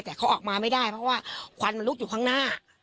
แต่เขาออกมาไม่ได้เพราะว่าควันมันลุกอยู่ข้างหน้า